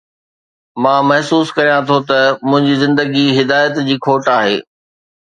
مان محسوس ڪريان ٿو ته منهنجي زندگي هدايت جي کوٽ آهي